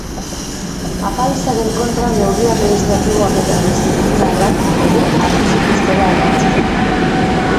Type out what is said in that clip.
Apaizaren kontra neurri administratiboak eta diziplinarrak ere hartu zituztela erantsi du.